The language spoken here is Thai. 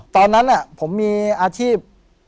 ตอนนั้นผมมีอาชีพ